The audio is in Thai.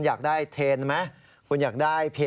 ให้ดี